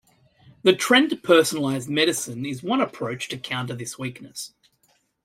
The trend to personalized medicine is one approach to counter this weakness.